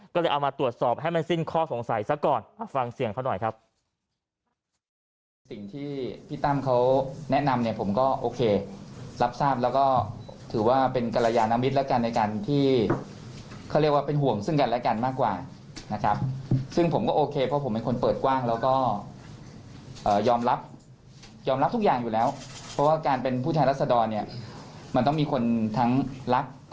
ก็เลยเอามาตรวจสอบให้มันสิ้นข้อสงสัยซะก่อนฟังเสียงเขาหน่อยครับ